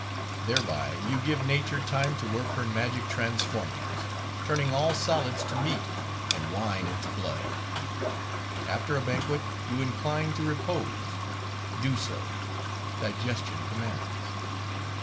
Thereby you give nature time to work her magic transformings; turning all solids to meat, and wine into blood. After a banquet you incline to repose:—do so: digestion commands.